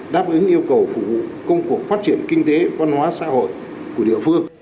đáp ứng yêu cầu phục vụ công cuộc phát triển kinh tế văn hóa xã hội của địa phương